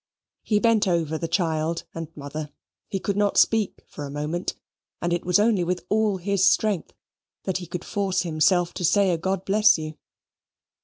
He bent over the child and mother. He could not speak for a moment. And it was only with all his strength that he could force himself to say a God bless you.